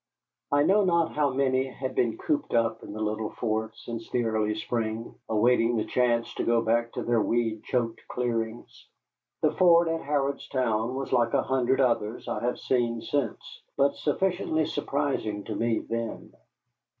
I know not how many had been cooped up in the little fort since the early spring, awaiting the chance to go back to their weed choked clearings. The fort at Harrodstown was like an hundred others I have since seen, but sufficiently surprising to me then.